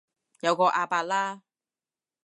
有個阿伯啦